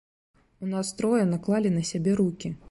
У нас трое наклалі на сябе рукі.